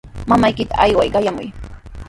Mamaykita ayway qayamuy.